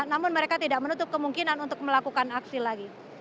namun mereka tidak menutup kemungkinan untuk melakukan aksi lagi